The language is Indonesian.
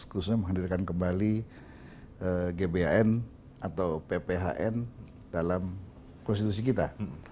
khususnya menghadirkan kembali gbhn atau pphn dalam konstitusi kita